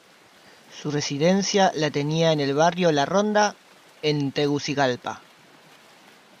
Su residencia la tenía en el Barrio La Ronda en Tegucigalpa.